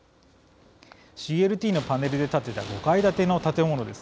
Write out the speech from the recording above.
ＣＬＴのパネルで建てた５階建ての建物です。